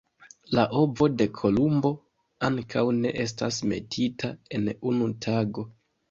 La ovo de Kolumbo ankaŭ ne estas metita en unu tago!